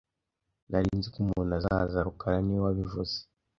Nari nzi ko umuntu azaza rukara niwe wabivuze